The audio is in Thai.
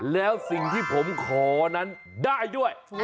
แล้วสิ่งที่ผมขอนั้นได้ด้วย